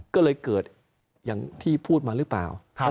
ก็เลยเกิดอย่างที่พูดมาหรือเปล่า